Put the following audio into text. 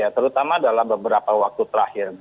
terutama dalam beberapa waktu terakhir